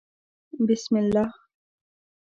_بسم الله.